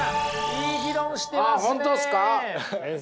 いい議論してますね。